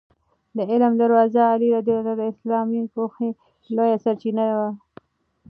د علم دروازه علي رض د اسلامي پوهې لویه سرچینه وه.